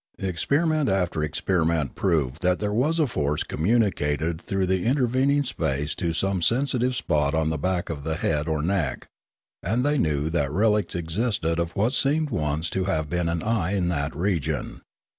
Experiment after experiment proved that there was a force communicated through the inter The Firla, or Electric Sense 135 vening space to some sensitive spot on the back of the head or neck, and they knew that relics existed of what seemed once to have been an eye in that region.